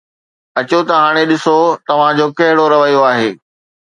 اچو ته هاڻي ڏسو، توهان جو ڪهڙو رويو آهي